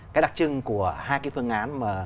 cái đặc trưng của hai cái phương án